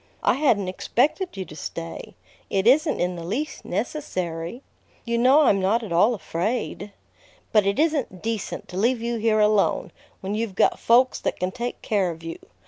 "I hadn't expected you to stay. It isn't in the least necessary. You know I'm not at all afraid." "But it isn't decent to leave you here alone, when you've got folks that can take care of you.